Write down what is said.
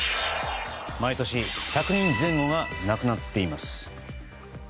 毎年１００人前後が亡くなっています。